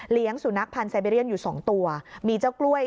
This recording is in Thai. เลี้ยงสุนัขพันธุ์อยู่สองตัวมีเจ้ากล้วย